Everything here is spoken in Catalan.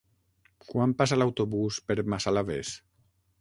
Quan passa l'autobús per Massalavés?